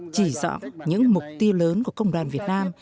chỉ dọn những mục tiêu lớn của công đoàn việt nam